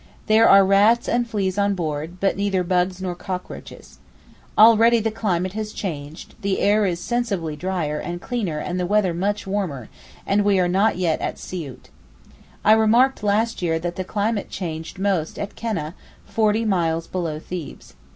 There are rats and fleas on board, but neither bugs nor cockroaches. Already the climate has changed, the air is sensibly drier and clearer and the weather much warmer, and we are not yet at Siout. I remarked last year that the climate changed most at Keneh, forty miles below Thebes.